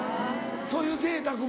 そういうぜいたくも。